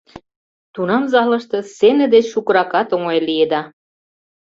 Тунам залыште сцене деч шукыракат оҥай лиеда.